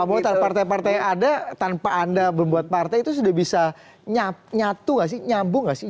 pak motar partai partai ada tanpa anda membuat partai itu sudah bisa nyatu gak sih nyambung nggak sih